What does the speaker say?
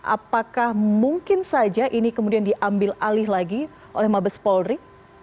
apakah mungkin saja ini kemudian diambil alih lagi oleh mabes polri